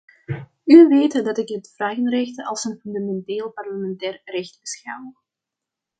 U weet dat ik het vragenrecht als een fundamenteel parlementair recht beschouw.